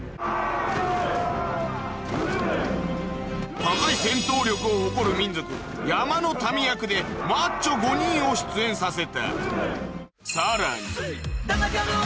高い戦闘力を誇る民族山の民役でマッチョ５人を出演させたさらに